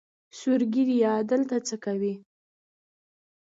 سور ږیریه دلته څۀ کوې؟